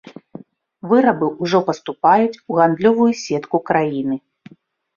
Вырабы ўжо паступаюць у гандлёвую сетку краіны.